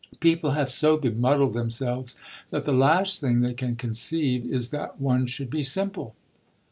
People have so bemuddled themselves that the last thing they can conceive is that one should be simple."